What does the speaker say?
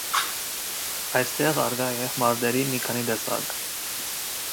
Այստեղ առկա է մարտերի մի քանի տեսակ։